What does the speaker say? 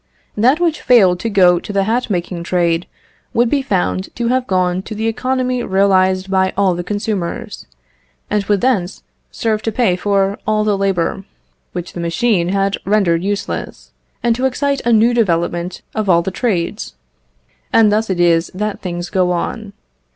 That which failed to go to the hat making trade would be found to have gone to the economy realised by all the consumers, and would thence serve to pay for all the labour which the machine had rendered useless, and to excite a new development of all the trades. And thus it is that things go on.